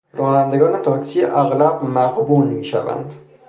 رانندگان تاکسی اغلب مغبون میشوند.